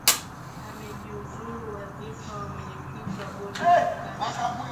amejiuzulu wadhifa wa mwenyekiti wa bodi ya makazi